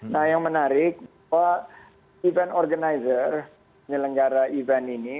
nah yang menarik bahwa event organizer penyelenggara event ini